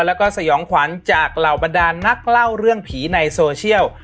แล้วก็สยองขวัญจากเหล่าบรรดานนักเล่าเรื่องผีในโซเชียล